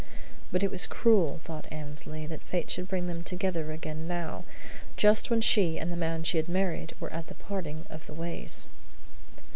But it was cruel, thought Annesley, that fate should bring them together again now, just when she and the man she had married were at the parting of the ways.